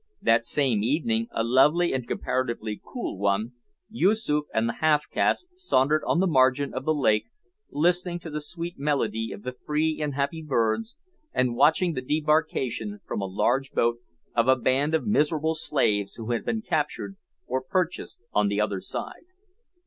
That same evening a lovely and comparatively cool one Yoosoof and the half caste sauntered on the margin of the lake, listening to the sweet melody of the free and happy birds, and watching the debarkation, from a large boat, of a band of miserable slaves who had been captured or purchased on the other side.